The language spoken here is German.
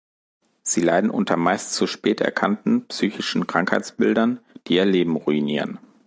Sie leiden unter meist zu spät erkannten psychischen Krankheitsbildern, die ihr Leben ruinieren.